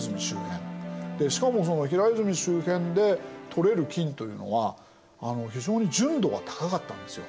でしかも平泉周辺で採れる金というのは非常に純度が高かったんですよ。